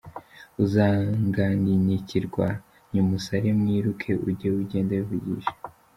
uzangangikirwa nyuma usare mwiruke unjye ugenda wivugisha.